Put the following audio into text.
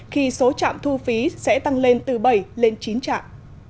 khi số trạm thu phí sẽ tăng lên từ bảy lên chín trạm